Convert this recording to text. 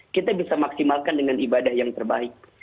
kita bisa maksimalkan dengan ibadah yang terbaik